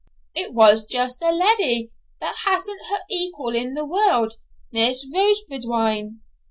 ' It was just a leddy that hasna her equal in the world Miss Rose Bradwardine!'